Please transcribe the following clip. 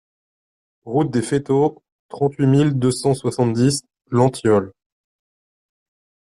Route des Feytaux, trente-huit mille deux cent soixante-dix Lentiol